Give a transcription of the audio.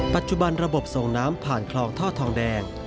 ปัจจุบันระบบส่งน้ำผ่านคลองท่อทองแดง